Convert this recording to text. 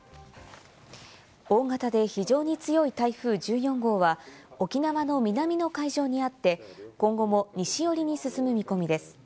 大型で非常に強い台風１４号は沖縄の南の海上にあって、今後も西寄りに進む見込みです。